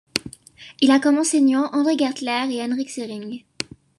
Il a eu comme enseignants André Gertler et Henryk Szeryng.